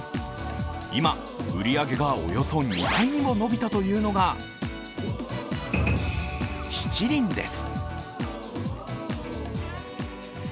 今、売り上げがおよそ２倍にも伸びたというのが七輪です。